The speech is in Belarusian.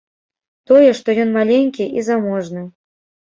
Тое, што ён маленькі і заможны.